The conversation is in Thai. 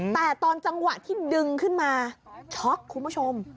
แต่ตอนจังหวะที่ดึงขึ้นมาช็อกคุณผู้ชม